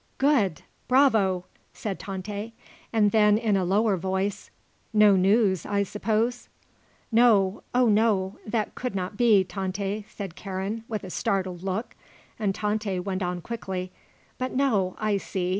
"Good; bravo!" said Tante, and then, in a lower voice: "No news, I suppose?" "No; oh no. That could not be, Tante," said Karen, with a startled look, and Tante went on quickly: "But no; I see.